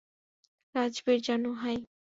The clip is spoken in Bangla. রাজবীর জানু, হাই!